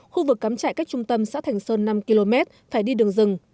khu vực cắm trại cách trung tâm xã thành sơn năm km phải đi đường rừng